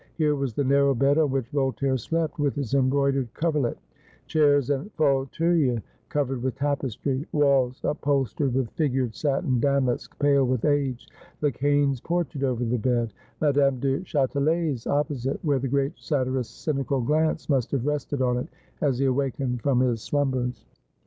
Here was the narroM' bed on which Voltaire slept, with its embroidered coverlet ; chairs and fauteuils covered with tapestry ; walls up holstered with figured satin damask, pale with age ; Lekain's portrait over the bed ; Madame du Chatelet's opposite, where the great satirist's cynical glance must have rested on it as he awakened from his slumbers.